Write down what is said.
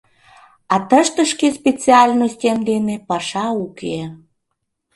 А тыште шке сцециальностьем дене паша уке...